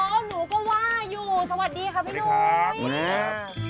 อ๋อหนูก็ว่าอยู่สวัสดีครับพี่หนุ้ยสวัสดีครับมา